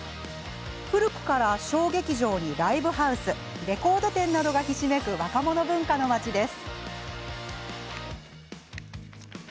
古くから小劇場にライブハウスレコード店などがひしめく若者文化の街です。